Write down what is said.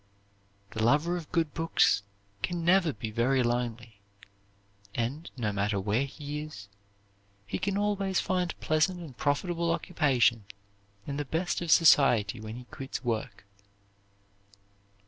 The lover of good books can never be very lonely; and, no matter where he is, he can always find pleasant and profitable occupation and the best of society when he quits work.